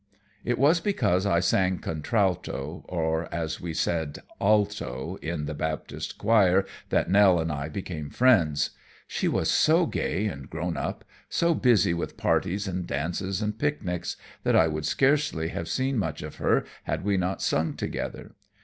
It was because I sang contralto, or, as we said, alto, in the Baptist choir that Nell and I became friends. She was so gay and grown up, so busy with parties and dances and picnics, that I would scarcely have seen much of her had we not sung together.